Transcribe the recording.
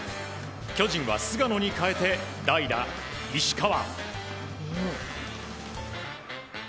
巨人は菅野に代えて代打、石川。